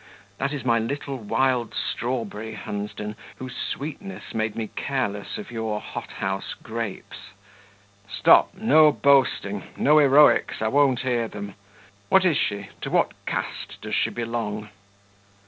That is my little wild strawberry, Hunsden, whose sweetness made me careless of your hothouse grapes." "Stop! No boasting no heroics; I won't hear them. What is she? To what caste does she belong?"